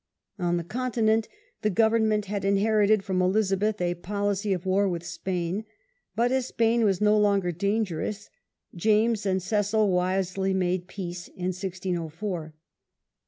On the Continent the government had inherited from Elizabeth a policy of war with Spain, but as Spain was no longer dangerous James and Cecil wisely Foretgn \ made peace (1604).